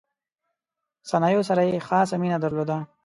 صنایعو سره یې خاصه مینه درلوده.